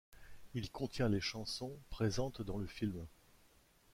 Il contient les chansons présentes dans le film.